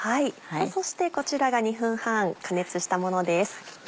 そしてこちらが２分半加熱したものです。